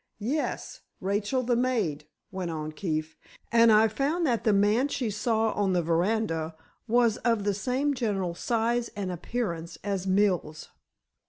"Yes, Rachel, the maid," went on Keefe, "and I found that the man she saw on the veranda was of the same general size and appearance as Mills.